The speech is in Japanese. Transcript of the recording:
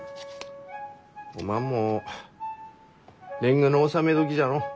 おまんも年貢の納め時じゃのう。